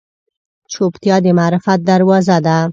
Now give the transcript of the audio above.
چوپتیا، د معرفت دروازه ده.